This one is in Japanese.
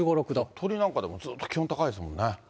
鳥取なんかでもずっと気温が高いですもんね。